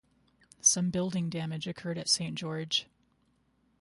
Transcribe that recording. Some building damage occurred at Saint George.